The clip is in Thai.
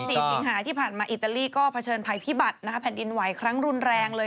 สี่สิงหาที่ผ่านมาอิตาลีก็เผชิญภัยพิบัตินะคะแผ่นดินไหวครั้งรุนแรงเลย